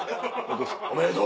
おめでとう！